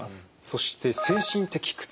そして精神的苦痛。